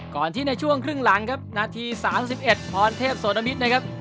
ก่อนที่ในช่วงครึ่งหลังครับนาที๓๑พรเทพโสนมิตรนะครับ